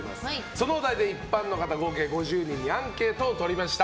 そのお題で一般の方合計５０人にアンケートをとりました。